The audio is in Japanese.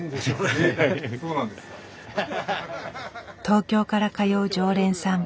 東京から通う常連さん。